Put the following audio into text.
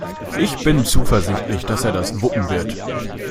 Ich bin zuversichtlich, dass er das wuppen wird.